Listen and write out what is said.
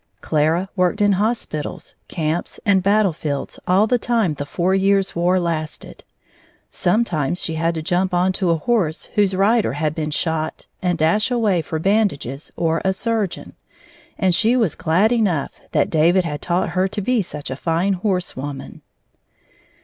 Clara worked in hospitals, camps, and battlefields all the time the four years' war lasted. Sometimes she had to jump on to a horse whose rider had been shot and dash away for bandages or a surgeon, and she was glad enough that David had taught her to be such a fine horsewoman.